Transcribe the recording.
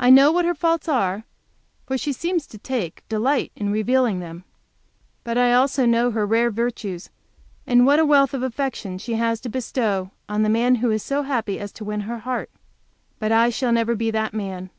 I know what her faults are, for she seems to take delight in revealing them. But I also know her rare virtues, and what a wealth of affection she has to bestow on the man who is so happy as to win her heart. But I shall never be that man.